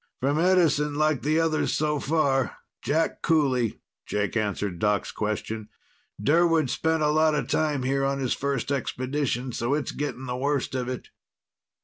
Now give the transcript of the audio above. "From Edison, like the others so far. Jack Kooley," Jake answered Doc's question. "Durwood spent a lot of time here on his first expedition, so it's getting the worst of it."